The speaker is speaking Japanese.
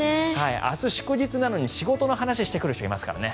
明日、祝日なのに仕事の話をしてくる人がいますからね。